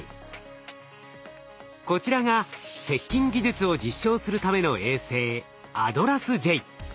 こちらが接近技術を実証するための衛星ＡＤＲＡＳ−Ｊ。